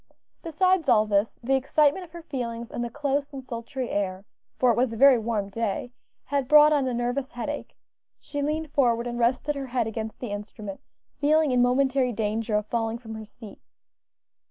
Besides all this, the excitement of her feelings, and the close and sultry air for it was a very warm day had brought on a nervous headache. She leaned forward and rested her head against the instrument, feeling in momentary danger of falling from her seat.